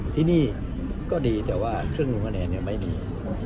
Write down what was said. ที่นี่ก็ดีแต่ว่าเครื่องลงคะแนนไม่มี